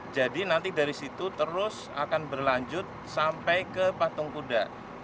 jadi nanti dari situ terus akan berlanjut sampai ke patung kuda